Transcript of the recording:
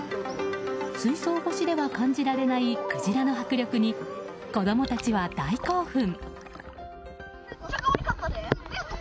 水槽越しでは感じられないクジラの迫力に子供たちは大興奮。